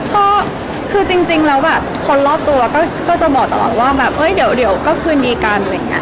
ก็คือจริงแล้วคนรอบตัวก็จะบอกตลอดว่าเดี๋ยวก็คืนดีกัน